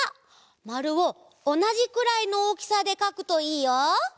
まるをおなじくらいのおおきさでかくといいよ！